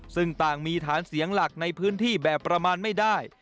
ซึ่งต่างมีฐานเสียงหลักในพื้นที่แบบประมาณไม่ได้